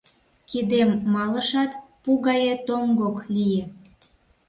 Кидем малышат, пу гае тоҥгок лие.